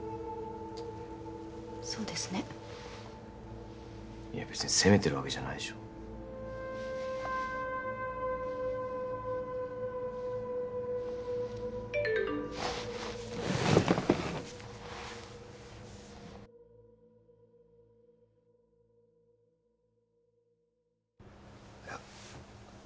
そうですねいや別に責めてるわけじゃないでしょいや